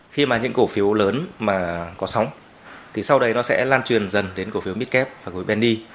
khi mà những cổ phiếu lớn mà có sóng thì sau đây nó sẽ lan truyền dần đến cổ phiếu midcap và cổ phiếu bendy